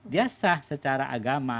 dia sah secara agama